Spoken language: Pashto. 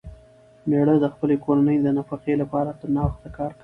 مېړه د خپلې کورنۍ د نفقې لپاره تر ناوخته کار کوي.